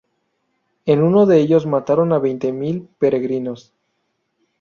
En uno de ellos mataron a veinte mil peregrinos.